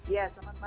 iya selamat malam